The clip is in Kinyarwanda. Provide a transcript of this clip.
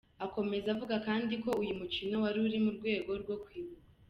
Akomeza avuga kandi ko uyu mukino wari uri mu rwego rwo kwibuka.